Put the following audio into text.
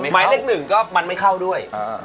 หมายเลข๑ก็มันไม่เข้าด้วย